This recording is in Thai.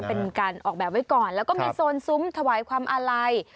เป็นการออกแบบไว้ก่อนแล้วก็มีโซนซุ้มถวายความอาลัย